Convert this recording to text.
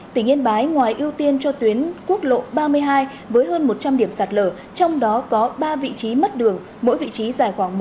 tỉnh yên bái ngoài ưu tiên cho tuyến quốc lộ ba mươi hai với hơn một trăm linh điểm sạt lở trong đó có ba vị trí mất đường mỗi vị trí dài khoảng một m